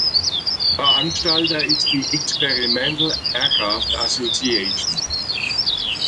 Veranstalter ist die Experimental Aircraft Association.